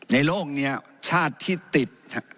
ในโลกนี้ชาติที่ติด